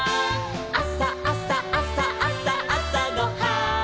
「あさあさあさあさあさごはん」